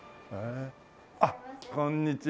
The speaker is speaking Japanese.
あっこんにちは。